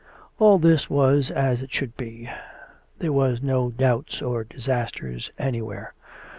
All this was as it should be. There were no doubts or disasters anywhere.